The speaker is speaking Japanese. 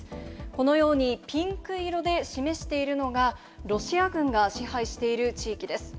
このようにピンク色で示しているのが、ロシア軍が支配している地域です。